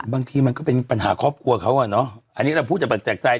บางทีมันก็เป็นปัญหาครอบครัวเขาอ่ะเนอะอันนี้เราพูดแต่แปลกใจ